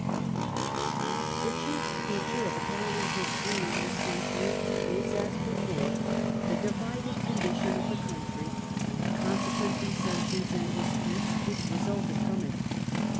Divisions The chief feature of Italian history in this century is as before the divided condition of the country and the consequent dissensions and disputes which resulted from it.